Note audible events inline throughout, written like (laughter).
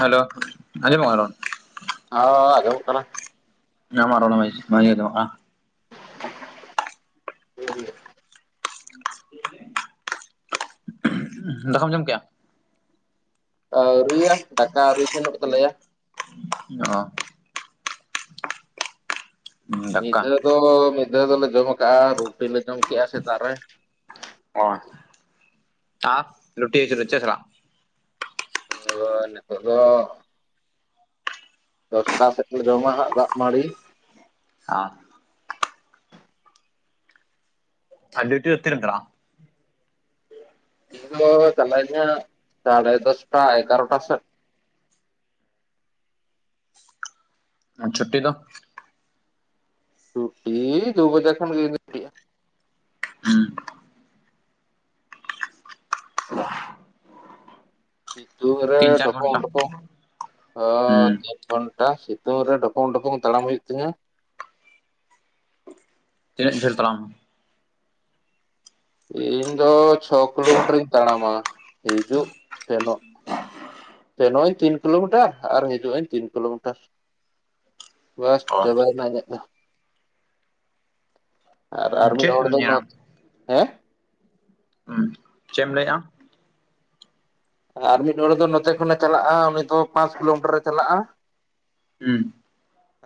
Hello ᱟᱡᱚᱢᱚᱜ ᱠᱟᱱᱟ ᱚᱻ ᱟᱡᱚᱢᱚᱜ ᱠᱟᱱᱟ ᱟᱢᱟ-ᱜ ᱨᱳᱞ (unintelligible) ᱠᱟᱱᱟ (unintelligible) ᱫᱟᱠᱟᱢ ᱡᱚᱢ ᱠᱮᱜ-ᱟ ᱟᱶᱨᱤᱭᱟ ᱫᱟᱠᱟ ᱟᱹᱶᱨᱤ ᱤᱥᱤᱱᱚᱜ ᱛᱟᱞᱮᱭᱟ ᱚ ᱢᱤᱫ ᱫᱟᱠᱟ ᱫᱷᱟᱣ ᱫᱚ ᱢᱤᱫ ᱫᱷᱟᱣ ᱫᱚᱞᱮ ᱡᱚᱢ ᱠᱟᱜ-ᱟ ᱨᱩᱴᱤ ᱞᱮ ᱡᱚᱢ ᱠᱮᱜ-ᱟ ᱥᱮᱛᱟᱜ ᱨᱮ ᱚ ᱟᱯ ᱨᱩᱴᱤ ᱠᱟᱫᱟ ᱪᱮᱫ ᱨᱮᱱᱟᱜ ᱚ ᱱᱤᱛᱚᱜ ᱫᱚ ᱫᱚᱥᱴᱟ ᱥᱮᱫ ᱞᱮ ᱡᱚᱢᱟ ᱦᱟᱜ ᱫᱟᱜ ᱢᱟᱹᱲᱤ (unintelligible) ᱟᱨ ᱰᱤᱩᱰᱩ ᱫᱚ ᱛᱤᱨᱮᱢ ᱪᱟᱞᱟᱜ-ᱟ ᱪᱟᱞᱟᱜ ᱤᱧ ᱱᱟᱦᱟᱜ ᱥᱟᱲᱮ ᱫᱚᱥᱴᱟ ᱮᱜᱟᱨᱚᱴᱟ ᱥᱮᱫ ᱪᱷᱩᱴᱤ ᱫᱚ ᱪᱷᱩᱴᱤ ᱫᱩ ᱵᱟᱡᱮ ᱠᱷᱟᱱ ᱜᱟᱹᱭ ᱦᱩ (unintelligible) ᱥᱤᱫᱩ ᱨᱮ ᱛᱤᱱ ᱪᱟᱨ ᱰᱚᱠᱚᱢ ᱜᱷᱚᱱᱴᱟ ᱰᱚᱠᱚᱢ ᱦᱩᱸ (unintelligible) ᱜᱷᱚᱱᱴᱟ ᱥᱤᱛᱩᱝ ᱨᱮ ᱰᱚᱯᱚᱝ ᱰᱚᱯᱚᱝ ᱛᱟᱲᱟᱢ ᱦᱩᱭᱩᱜ ᱛᱤᱧᱟᱹ ᱛᱤᱱᱟᱹᱜ ᱰᱷᱮᱨ ᱛᱟᱲᱟᱢ ᱤᱧ ᱫᱚ ᱪᱷᱚ ᱠᱤᱞᱳᱢᱤᱴᱟᱨᱤᱧ ᱛᱟᱲᱟᱢᱟ ᱦᱤᱡᱩᱜ ᱥᱮᱱᱚᱜ ᱥᱮᱱᱚᱜ ᱟᱹᱧ ᱛᱤᱱ ᱠᱤᱞᱳᱢᱤᱴᱟᱨ ᱟᱨ ᱦᱤᱡᱩᱜ ᱟᱹᱧ ᱛᱤᱱ ᱠᱤᱞᱳᱢᱤᱴᱟᱨ ᱵᱟᱥ ᱚ ᱪᱟᱵᱟᱭᱮᱱᱟ ᱤᱧᱟᱜᱫᱚ ᱟᱨ ᱟᱨ ᱢᱤᱫ ᱪᱮᱫ ᱦᱚᱲ ᱮᱢ ᱫᱚ ᱧᱮᱞᱟ ᱦᱮᱸ ᱦᱩᱸ ᱪᱮᱫ ᱮᱢ ᱞᱟᱹᱭᱟᱢ ᱟᱨ ᱢᱤᱫ ᱦᱚᱲ ᱫᱚ ᱱᱚᱛᱮ ᱠᱷᱚᱱᱮ ᱪᱟᱞᱟᱜᱼᱟ ᱩᱱᱤ ᱫᱚ ᱯᱟᱸᱪ ᱠᱤᱞᱳᱢᱤᱴᱟᱨᱮ ᱪᱟᱞᱟᱜᱼᱟ ᱦᱮᱸ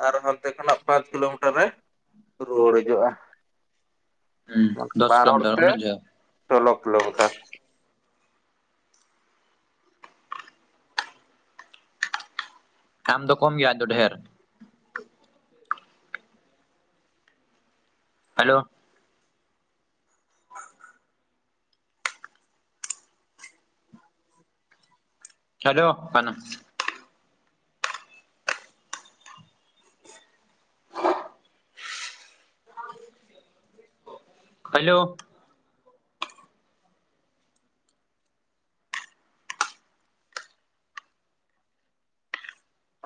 ᱟᱨ ᱦᱟᱱᱛᱮ ᱠᱷᱚᱱᱟᱜ ᱯᱟᱸᱪ ᱠᱤᱞᱳᱢᱤᱴᱟᱨ ᱨᱮ ᱨᱩᱣᱟᱹᱲ ᱦᱤᱡᱩᱜᱼᱟ᱾ ᱦᱩᱸ ᱫᱚᱥ ᱵᱟᱨ ᱦᱚᱲ ᱠᱤᱞᱳᱢᱤᱴᱟᱨ ᱛᱮ ᱩᱱᱟᱹᱜ ᱡᱷᱟᱞ ᱥᱳᱞᱳ ᱠᱤᱞᱳᱢᱤᱴᱟᱨ ᱟᱢ ᱫᱚ ᱠᱚᱢ ᱜᱮᱭᱟ ᱟᱡᱫᱚ ᱰᱷᱹᱮᱨ ᱦᱟᱞᱳ ᱪᱟᱡᱚᱜ ᱠᱟᱱᱟ ᱦᱟᱞᱳ